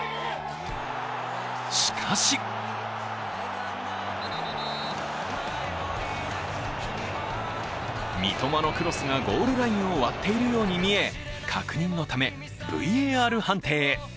しかし三笘のクロスがゴールラインを割っているように見え、確認のためＶＡＲ判定へ。